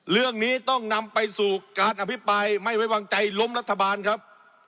เรื่องนี้ต้องนำไปสู่การอภิปรายไม่ไว้วางใจล้มรัฐบาลครับ